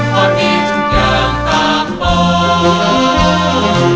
พอดีทุกอย่างตามไป